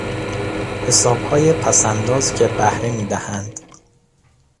حسابهای پسانداز که بهره میدهند